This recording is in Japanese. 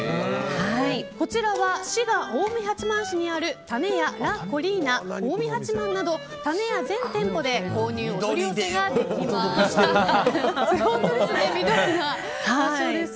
こちらは滋賀・近江八幡市にあるたねやラコリーナ近江八幡などたねや全店舗で購入ができます。